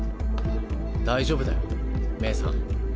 大丈夫だよ冥さん。